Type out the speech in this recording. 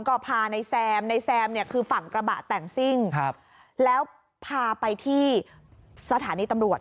ก็พานายแซมในแซมเนี่ยคือฝั่งกระบะแต่งซิ่งครับแล้วพาไปที่สถานีตำรวจ